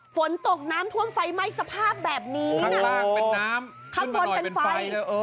ฝนตกน้ำท่วมไฟไหม้สภาพแบบนี้น่ะสร้างเป็นน้ำข้างบนเป็นไฟ